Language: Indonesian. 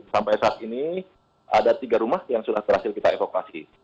sampai saat ini ada tiga rumah yang sudah berhasil kita evakuasi